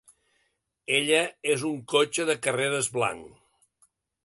Ella és un cotxe de carreres blanc.